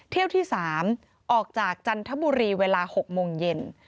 เที่ยวที่๓ออกจากจันทบุรีเวลา๖โมงเย็น